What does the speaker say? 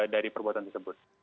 dari perbuatan tersebut